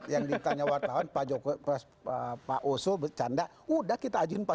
yang ditanya wartawan pak oso bercanda udah kita ajuin empat puluh nama